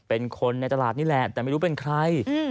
เป็นคนในตลาดนี่แหละแต่ไม่รู้เป็นใคร